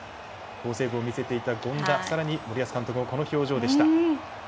好セーブを見せていた権田そして森保監督もこの表情でした。